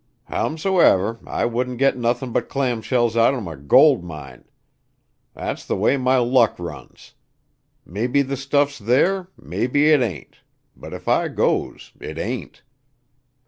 Howsomever, I wouldn't git nothin' but clam shells outern a gold mine. Thet's th' way m' luck runs. Maybe th' stuff's there, maybe it ain't; but if I goes, it ain't."